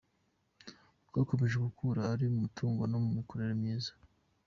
Twakomeje gukura ari mu mutungo no mu mikorere myiza.